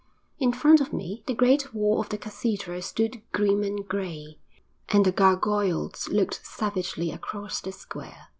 In front of me the great wall of the cathedral stood grim and grey, and the gargoyles looked savagely across the square....